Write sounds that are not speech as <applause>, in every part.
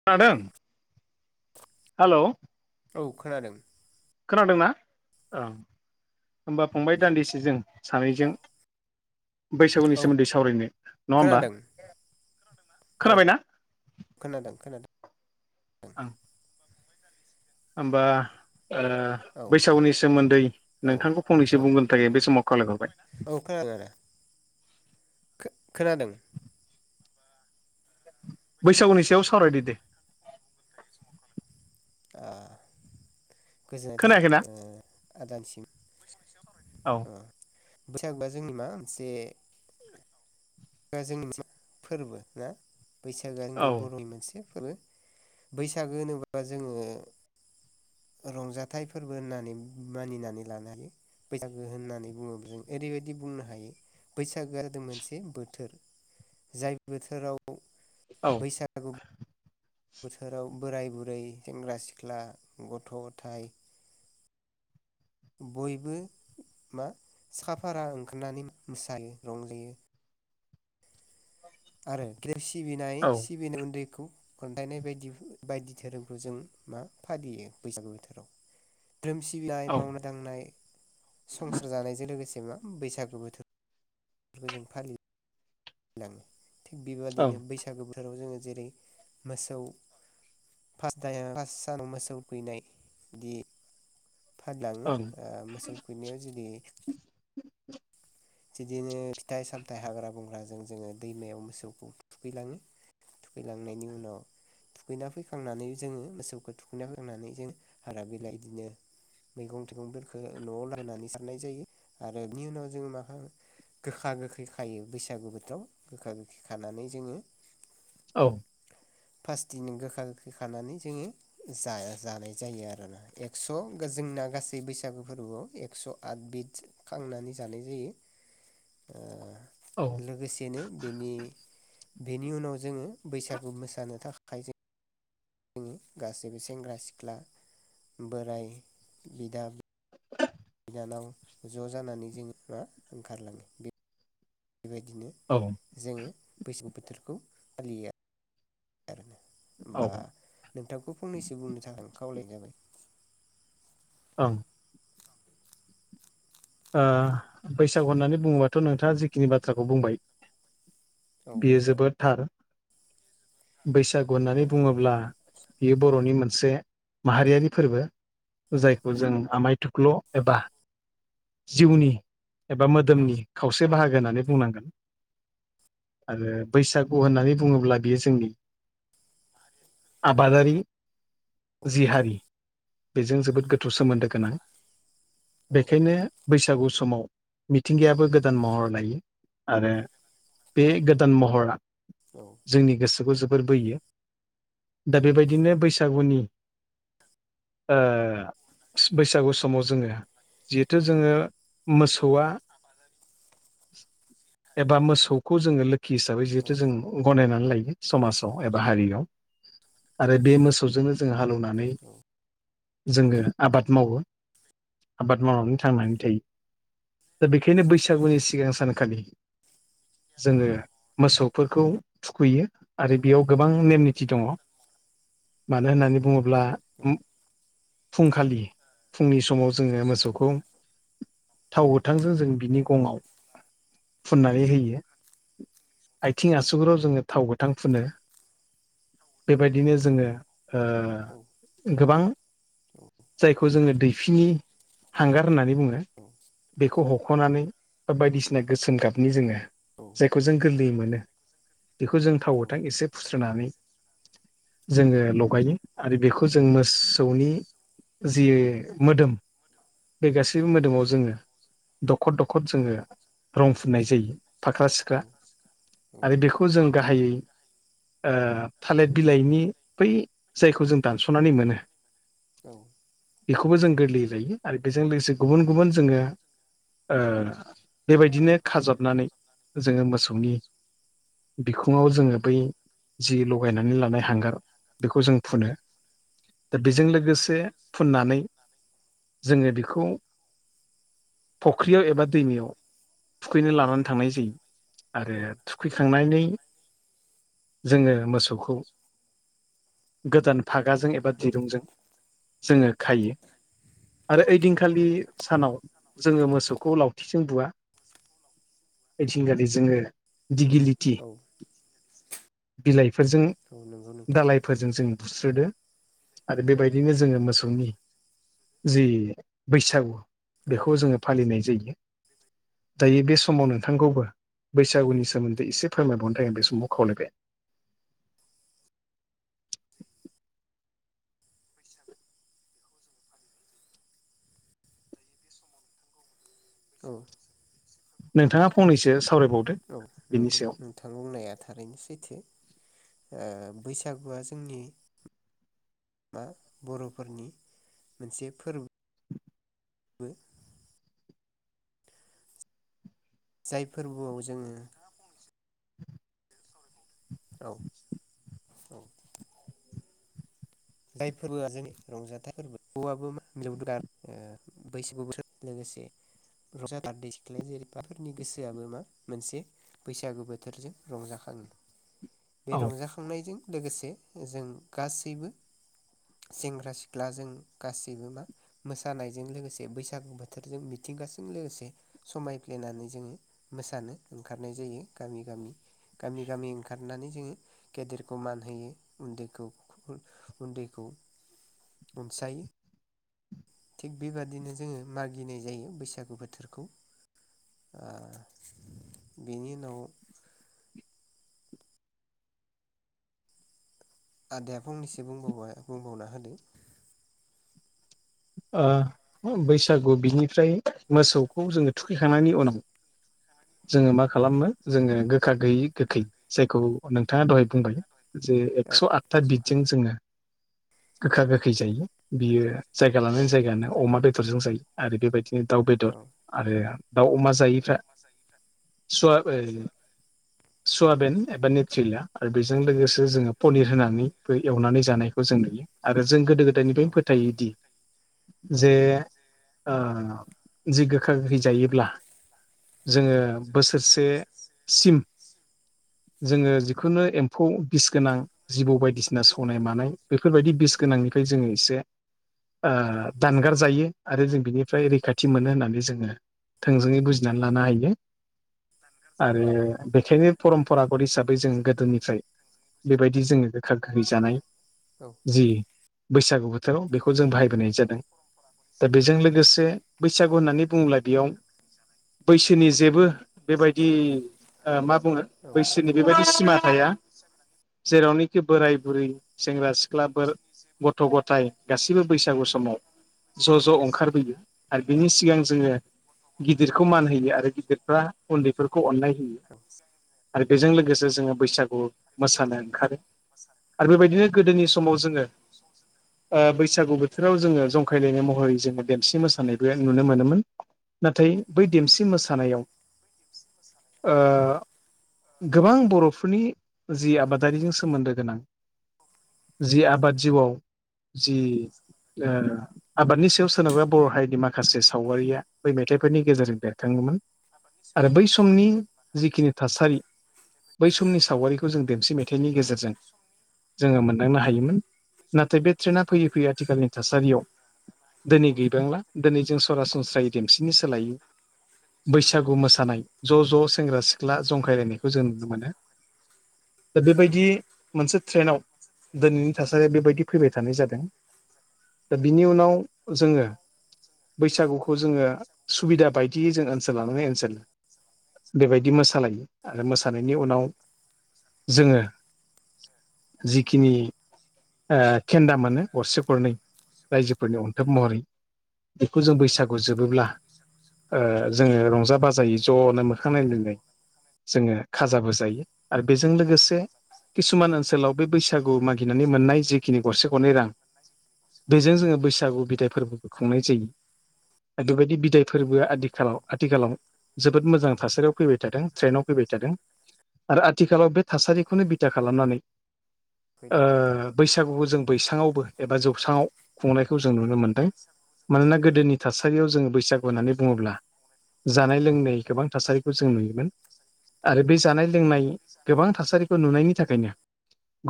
<unintelligible> Hello औ खोनादों। खोनादोंना औ होमबा फंबाय दान्दिसे जों सानैजों बैसागुनि औ सोमोन्दै सावरायनो नङा ओमबा खोनादों औ खोनाबायना? खोनादों खोनादों। ओं ओमबा ओ औ बैसागुनि सोमोन्दै औ नोंथांखौ औ फंनैसो बुंग्रोनो औ थाखाय बे नंगौ समाव खावलायहरबाय। औ खोनादों दे खो-खोनादों। बैसागुनि सायाव सावरायदो दे। ओ गोजोननाय थाबाय खोनायाखैना ओ आदानिसिम। औ ओ बैसागुआ जोंनि मा मोनसे गोआ जोंनि मोनसे मा फोरबो ना बैसागोआ औ जोंनि बर'नि मोनसे फोरबो। बैसागो होनोबा जोङो रंजाथाइ फोरबो होननानै मानिनानै लानो हायो। बैसागो होननानै बुङोब्ला जों ओरैबायदि बुंनो हायो। बैसागो जादों मोनसे बोथोर जाय बोथोराव औ बैसागु बोथोराव बोराय बुरै सेंग्रा सिख्ला गथ' गथाय बयबो मा साखाफारा ओंखारनानै मोसायो रंजायो। आरो सिबिनाय औ सिबिनाय उन्दैखौ खोन्थानाय बायदि बायदि धोरोमखौ जों मा फालियो बैसागु बोथोराव धोरोम सिबिनाय मावना दांनाय संसार जानायजों लोगोसे मा बैसागु बोथोर खौ जों फालियो। लाङो थिग औ ओं बेबायदिनो बैसागो बोथोराव जोङो जेरै मोसौ फर्स टाये फार्स सानाव मोसौ थुखैनाय बिदि फानलाङो औ ओ मोसौ थुखैनायाव जुदि <inaudible> बिदिनो फिथाइ सामथाइ हाग्रा बंग्राजों जोङो दैमायाव मोसौखौ थुखैलाङो थुखैलांनायनि उनाव थुखैना फैखांनानै जोङो मोसौखो थुखैना फैखांनानै जों हाग्रा बिलाय बिदिनो मैगं थाइगंफोरफोरखो न'आव लाबोनानै सारनाय जायो आरो बिनि उनाव जोङो मा खामो गोखा गोखै खायो बैसागु बोथोराव गोखा गोखै खानानै जोङो औ। फास्टिनो गोखा गोखै खानानै जोङो जाया जानाय जायो आरोना। एक्स' जोंना गासै बैसागु फोरबोआव एक्स' आद बिट खांनानै जानाय जायो। ओ औ लोगोसेनो बेनि बेनि उनाव जोङो बैसागु मोसानो थाखाय जों जोंनि गासैबो सेंग्रा सिख्ला बोराइ बिदा बिनानाव ज' जानानै जोंङ मा ओंखारलाङो। बेबायदिनो औ। जोङो बैसागु बोथोरखौ फालियो आ आरोना होमबा नोंथांखौ फंनैसो बुंनो थाखाय आं खावलायनाय जाबाय। औ। आ बैसागु होननानै बुङोबाथ' नोंथाङा जिखिनि बाथ्राखौ बुंबाय। औ बियो जोबोद थार। बैसागु औ होननानै बुङोब्ला बियो बर'नि मोनसे माहारियारि फोरबो। जायखौ जों आमाय थुख्ल' एबा जिउनि एबा मोदोमनि खावसे बाहागो होननानै बुंनांगोन। आरो बैसागु होननानै बुङोब्ला बियो जोंनि आरो आबादारि जि हारि बेजों जोबोद गोथौ सोमोन्दो गोनां औ बेखायनो बैसागु समाव मिथिंगायाबो गोदान महर लायो। आरो बे गोदान महरा औ। जोंनि गोसोखौ जोबोर बोयो। दा बेबायदिनो बैसागुनि ओ बैसागु समाव जोङो जिहेथु जोङो मोसौआ एबा मोसौखौ जोङो लो खि हिसाबै औ जिहेथु जों गनायनानै लायो समाजाव एबा हारियाव। आरो बे मोसौजोंनो जों हालौवनानै जोङो आबाद मावो। आबाद मावनानै थांनानै थायो। दा बेखायनो बैसागुनि सिगां सानखालि जोङो मोसौफोरखौ थुखैयो आरो बेयाव गोबां नेम निथि दङ। मानो होननानै बुङोब्ला ओम फुंखालि फुंनि समाव जोङो मोसौखौ थाव गोथांजों जों बिनि गङाव फुननानै होयो। आथिं आसुगुराव जोङो थाव गोथां फुनो। बेबायदिनो जोङो ओ गोबां जायखौ जोङो दैफिनि हांगार होननानै बुङो। बेखौ हख'नानै बा बायदिसिना गोसोम गाबनि जोङो औ जायखौ जों गोरलैयै मोनो। बेखौ जों थाव औ गोथां एसे फुस्रोनानै जोङो लगायो आरो बेखौ जों मोसौनि जि मोदोम बे औ गासैबो मोदोमाव जोङो दखद दखद जोङो रं फुननाय जायो फाख्रा सिख्रा। आरो बेखौ जों गाहायै ओ थालिर बिलाइनि बै जायखौ जों दानस'नानै मोनो। औ बेखौबो जों गोरलैयै लायो आरो बेजों लोगोसे गुबुन गुबुन जोङो ओ बेबायदिनो खाजबनानै जोङो मोसौनि बिखुङाव जोङो बै जि लगायनानै लानाय हांगार बेखौ जों फुनो दा बेजों लोगोसे फुननानै जोङो बेखौ फख्रियाव एबा दैमायाव थुखैनो लानानै थांनाय जायो आरो औ थुखैखांनानै जोङो मोसौखौ गोदान फागाजों एबा दिरुंजों औ जोङो खायो। आरो ओइदिंखालि सानाव जोङो मोसौखौ लावथिजों बुवा। ओइदिनखालि जोङो दिगिलिटि औ बिलाइफोरजों औ नंगौ नोंथां। फोरजों जों बुस्रोदो आरो बेबायदिनो जोङो मोसौनि जि बैसागु औ बेखौ जोङो फालिनाय जायो। दायो बे समाव नोंथांखौबो बैसागुनि सोमोन्दै एसे फोरमायबावनो थाखाय आं बे समाव खावलायबाय। औ नोंथाङा फंनैसो सावरायबावदो। बेनि नंगौ सायाव नोंथां बुंनाया थारैनो सैथो ओ बैसागुआ जोंनि मा बर'फोरनि मोनसे फोरबो जाय फोरबोआव जोङो औ औ। जाय फोरबोआ जोंनि रंजाथाइ फोरबो <inaudible> ओ बैसागु बोथोर लोगोसे रंजा बारदैसिख्लाया <inaudible> गोसोआबो मा मोनसे बैसागु बोथोरजों रंजाखाङो। बे औ रंजाखांनायजों लोगोसे जों गासैबो सेंग्रा सिख्ला जों गासैबो मा मोसानायजों लोगोसे बैसागु बोथोरजों मिथिंगाजों लोगोसे समायफ्लेनानै जोङो मोसानो ओंखारनाय जायो गामि गामि। गामि गामि ओंखारनानै जोङो गेदेरखौ मान होयो उन्दैखौ उन्दैखौ अनसायो। थिग बेबादिनो जोङो मागिनाय जायो बैसागु बोथोरखौ। ओ बेनि उनाव आदाया फंनैसो बुंबावबा बुंबावना होदों। आ बैसागु बिनिफ्राय मोसौखौ जोङो थुखैखांनायनि उनाव जोङो मा औ खालामो जोङो गोखा गैयि गोखै जायखौ नोंथाङा दहाय बुंबाय जे औ एक्स' आथ था बिदजों जोङो गोखा गोखै जायो बियो जाय जायगा औ लानानै जायगा ना अमा बेदरजों जायो। आरो बेबायदिनो दाउ औ बेदर औ आरो दाउ अमा जायैफ्रा सुवा ओ सुवाबेन एबा नेट्रिलिया आरो बेजों लोगोसे जोङो पनिर होनानैबो एवनानै जानायखौ जों नुयो। आरो जों गोदो गोदायनिफायनो फोथायोदि जे ओ जि गोखा गोखै जायोब्ला जोङो बोसोरसेसिम जोङो जिखुनु एम्फौ बिस गोनां जिबौ बायदिसिना सौनाय मानाय बेफोरबायदि बिस गोनांनिफ्राय जों एसे ओ दानगार जायो आरो जों बेनिफ्राय रैखाथि मोनो होननानै जोङो थोंजोङै बुजिनानै लानो हायो। दानगार जायो आरो जों बेखायनो बेनिफ्राय रैखाथि परमपरागत मोनो हिसाबै होननानै जों जोङो गोदोनिफ्राय थों बेबायदि जोङो गोखा गोखै जानाय जि बैसागु बोथोराव बेखौ जों बाहाय बोनाय जादों दा बेजों लोगोसे बैसागु होननानै बुङोब्ला बेयाव बैसोनि जेबो बेबायदि आ मा बुङो बैसोनि बेबायदि सिमा थाया। सायखनानै जेरावनोखि बोराय बुरै सेंग्रा सिख्ला गथ' गथाय गासिबो बैसागु समाव ज' ज' ओंखारबोयो आरो बिनि सिगां जोङो गिदिरखौ मान होयो आरो गिदिरफ्रा उन्दैफोरखौ अननाय होयो। औ औ आरो बेजों लोगोसे जोङो बैसागु मोसानो ओंखारो मोसानो ओंखारो बेफोरबायदिनो गोदोनि सम आ बैसागु बोथोराव जोङो जंखायलायनाय महरै जोङो देमसि मोसानायबो नुनो मोनोमोन। नाथाय बै देमसि मोसानायाव आ गोबां बर'फोरनि जि आबादारिजों सोमोन्दो गोनां जि आबाद जिउआव जि आ आबादनि सायाव सोनाबा बर' हारिनि माखासे सावगारिया बै मेथाइफोरनि गेजेरजों बेरखाङोमोन। आरो बै समनि जिखिनि थासारि बै समनि सावगारिखौ जों देमसि औ मेथाइनि गेजेरजों उम जोङो मोनदांनो हायोमोन नाथाय बे ट्रेना फैयै फैयै आथिखालनि थासारियाव दिनै गैबांला दिनै जों सरासनस्रायै देमसिनि सोलायो बैसागु मोसानाय ज' ज' सेंग्रा सिख्ला जंखायलायनायखौ जों नुनो मोनो। दा बेबायदि मोनसे ट्रेनाव दोनैनि थासारिया बेबायदि फैबाय थानाय जादों। दा बिनि उनाव जोङो बैसागुखौ जोङो सुबिदा बायदियै जों ओनसोल लानायो ओनसोल बेबायदि मोसालायो आरो मोसानायनि उनाव जोङो जिखिनि ओ खेन्दा मोनो गरसे गरनै रायजोफोरनि अन्थोब महरै बेखौ जों औ नोंथां बैसागु जोबोब्ला आ जोङो रंजा बाजायै ज'नो मोखां नायलाय लाय जोङो खाजाबो जायो आरो बेजों लोगोसे किसुमान ओनसोलाव बे बैसागु मागिनानै मोननाय जिखिनि गरसे गरनै रां बेजों जोङो बैसागु बिदाय फोरबोखौ खुंनाय जायो। बेबायदि बिदाय फोर्बोआ आदिखालाव आथिखालाव जोबोद मोजां थासारियाव फैबाय थादों ट्रेनाव फैबाय थादों। आरो आथिखालाव बे थासारिखौनो बिथा औ खालामनानै फैदों नोंथां आ बैसागुखौ जों बैसाङावबो एबा जौ साङाव खुंनायखौ जों नुनो मोन्दों। मानोना गोदोनि थासारियाव जोङो बैसागु होननानै बुङोब्ला जानाय औ लोंनाय गोबां थासारिखौ जों नुयोमोन। आरो बे जानाय लोंनाय गोबां थासारिखौ नुनायनि थाखायनो।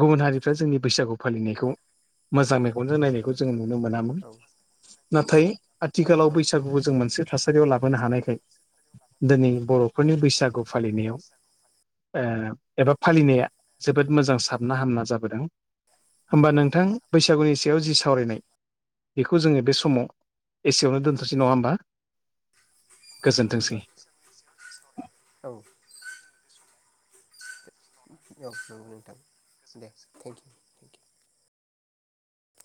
गुबुन हारिफ्रा जोंनि बैसागु फालिनायखौ मोजा मेगनजों नायखौ जोङो नुनो मोनामोन। औ नाथाय आथिखालाव औ बैसागुबो नोंथां जों मोनसे थासारियाव लाबोनो हानायखाय। दिनै बर'फोरनि औ बैसागु फालिनायाव ओ एबा फालिनाया जोबोद मोजां साबना हामना जाबोदों। होमबा औ नोंथां होमबा बैसागुनि सि सायाव जि सावरायनाय बेखौ जोङो बे समाव एसेयावनो दोनथ'सै नङा होमबा? गोजोनथोंसै। औ औ औ नंगौ नोंथां दे थेंकिउ। थेंकिउ